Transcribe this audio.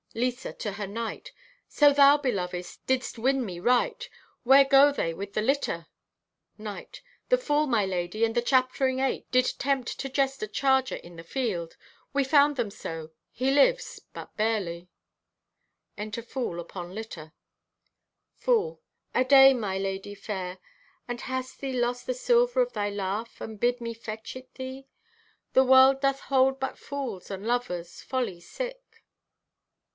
(Lisa, to her knight) "So, thou, beloved, didst win me right! Where go they with the litter?" (Knight) "The fool, my lady, and a chattering ape, did tempt to jest a charger in the field. We found them so. He lives but barely." (Enter Fool upon litter.) (Fool) "Aday, my lady fair! And hast thee lost the silver of thy laugh and bid me fetch it thee? The world doth hold but fools and lovers, folly sick."